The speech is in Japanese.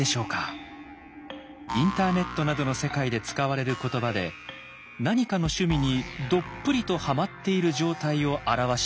インターネットなどの世界で使われる言葉で何かの趣味にどっぷりとはまっている状態を表した言葉です。